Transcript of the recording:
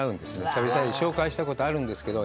旅サラダで紹介したことあるんですけど